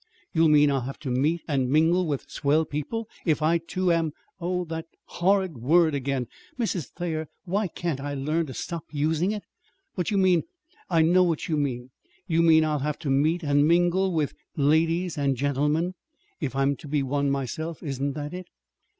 "You mean, I'll have to meet and mingle with swell people if I, too, am Oh, that horrid word again! Mrs. Thayer, why can't I learn to stop using it? But you mean I know what you mean. You mean I'll have to meet and mingle with with ladies and gentlemen if I'm to be one myself. Isn't that it?"